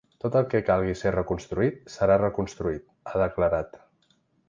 Tot el que calgui ser reconstruït, serà reconstruït, ha declarat.